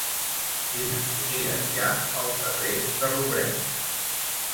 Quines botigues hi ha al carrer de Robrenyo?